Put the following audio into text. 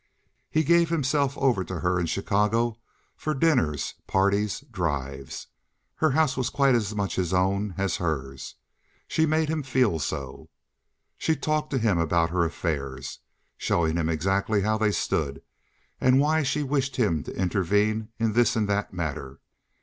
He gave himself over to her in Chicago for dinners, parties, drives. Her house was quite as much his own as hers—she made him feel so. She talked to him about her affairs, showing him exactly how they stood and why she wished him to intervene in this and that matter.